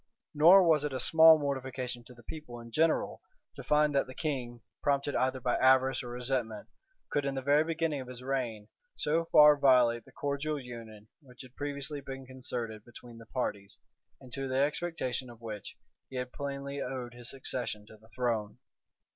Nor was it a small mortification to the people in general, to find that the king, prompted either by avarice or resentment could, in the very beginning of his reign, so far violate the cordial union which had previously been concerted between the parties, and to the expectation of which he had plainly owed his succession to the throne.